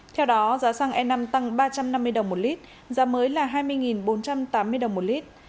theo đó giá xăng e năm tăng ba trăm năm mươi đồng một lít giá mới là hai mươi bốn trăm tám mươi đồng một lít